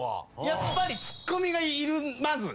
やっぱりツッコミがいるまず。